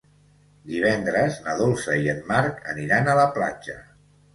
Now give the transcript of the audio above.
Divendres na Dolça i en Marc aniran a la platja.